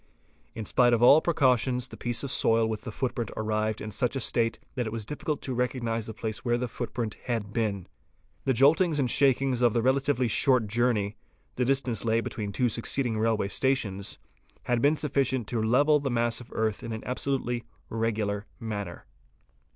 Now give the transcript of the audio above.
In spite of all precautions the piece of soil with the footprint arrived in such a state that it was difficult to recognise the place where the footprint had been. The joltings and shakings of the relatively short journey,— the distance lay between two succeeding railway stations—had been sufficient to level the mass of earth in an absolutely regular manner.